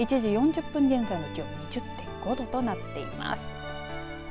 １時４０分現在の気温２０．５度となっています。